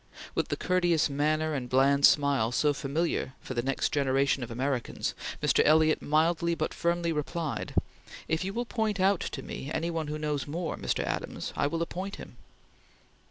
With the courteous manner and bland smile so familiar for the next generation of Americans Mr. Eliot mildly but firmly replied, "If you will point out to me any one who knows more, Mr. Adams, I will appoint him."